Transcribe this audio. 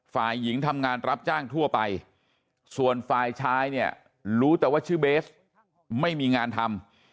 ฝ่ายหญิงทำงานรับจ้างทั่วไปส่วนฝ่ายชายเนี่ยรู้แต่ว่าชื่อเบสไม่มีงานทำ